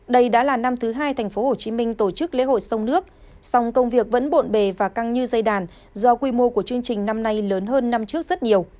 đây đã là năm thứ hai tp hcm tổ chức lễ hội sông nước